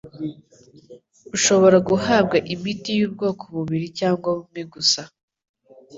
ushobora guhabwa imiti y'ubwoko bubiri cyangwa bumwe gusa